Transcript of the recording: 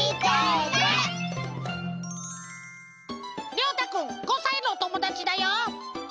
りょうたくん５さいのおともだちだよ。